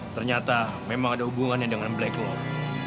ternyata memang ada hubungannya dengan black work